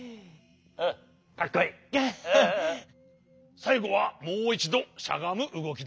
さいごはもういちどしゃがむうごきだ。